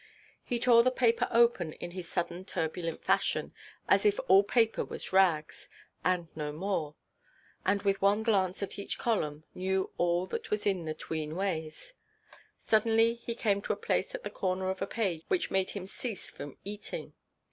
He tore the paper open in his sudden turbulent fashion, as if all paper was rags, and no more; and with one glance at each column knew all that was in the 'tween–ways. Suddenly he came to a place at the corner of a page which made him cease from eating.